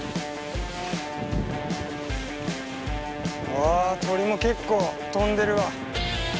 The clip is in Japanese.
あ鳥も結構飛んでるわ。